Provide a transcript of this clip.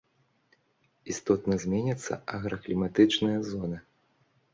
Істотна зменяцца агракліматычныя зоны.